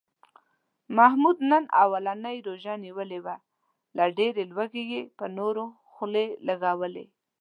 محمود نن اولنۍ روژه نیولې وه، له ډېرې لوږې یې په نورو خولې لږولې.